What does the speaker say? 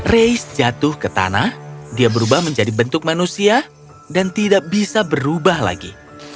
race jatuh ke tanah dia berubah menjadi bentuk manusia dan tidak bisa berubah lagi